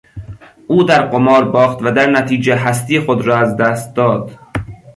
او در قمار باخت و درنتیجه هستی خود را از دست داد.